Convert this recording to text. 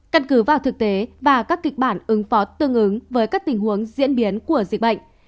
căn cứ vào thực tế và các kịch bản ứng phó tương ứng với các tình huống diễn biến của dịch bệnh